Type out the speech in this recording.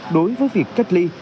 đối với việc cách ly